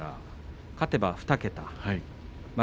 勝てば２桁。